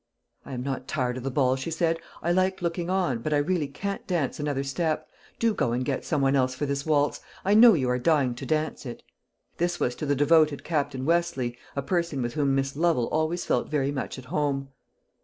"I am not tired of the ball," she said; "I like looking on, but I really can't dance another step. Do go and get some one else for this waltz; I know you are dying to dance it." This was to the devoted Captain Westleigh, a person with whom Miss Lovel always felt very much at home.